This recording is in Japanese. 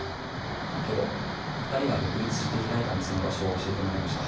あけど２人が独立して開いた店の場所を教えてもらいました。